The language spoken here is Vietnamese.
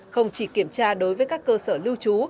không chỉ kiểm tra đối với các cơ sở lưu trú